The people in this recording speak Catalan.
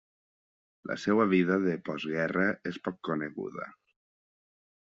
La seva vida de post guerra és poc coneguda.